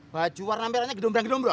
baju warna merahnya gedung gedung bro